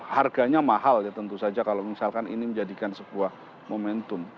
harganya mahal ya tentu saja kalau misalkan ini menjadikan sebuah momentum